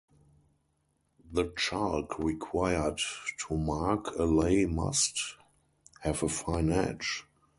The chalk required to mark a lay must have a fine edge.